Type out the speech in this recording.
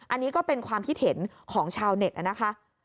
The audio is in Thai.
อันนี้ก็เป็นความคิดเห็นของชาวเน็ตนะคะ